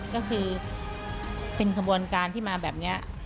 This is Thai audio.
ก็คือเป็นขบวนการที่มาแบบนี้